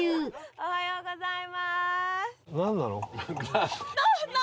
おはようございます。